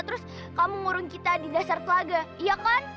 terus kamu mengurung kita di dasar telaga iya kan